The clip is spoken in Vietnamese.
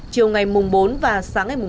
chiều ngày mùng bốn và sáng ngày mùng năm